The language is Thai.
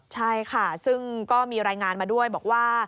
ใช่ค่ะซึ่งก็มีรายงานมาด้วยบอกว่า